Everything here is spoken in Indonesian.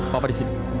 papa di sini